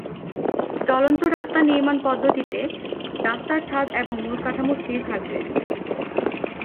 চলন্ত রাস্তা নির্মাণ পদ্ধতিতে রাস্তার ছাদ এবং মূল কাঠামো স্থির থাকবে।